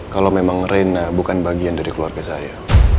kalau memang reina bukan bagian dari keluarga saya